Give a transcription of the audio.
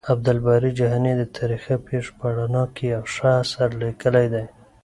عبدالباري جهاني د تاريخي پېښو په رڼا کې يو ښه اثر ليکلی دی.